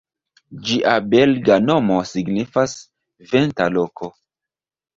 Ĝia belga nomo signifas: "venta loko".